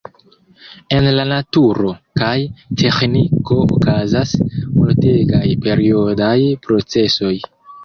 En la naturo kaj teĥniko okazas multegaj periodaj procesoj.